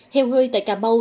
heo hơi tại cà mau